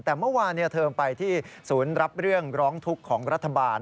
แต่เมื่อวานเธอไปที่ศูนย์รับเรื่องร้องทุกข์ของรัฐบาล